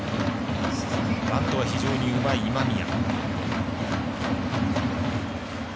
バントは非常にうまい今宮。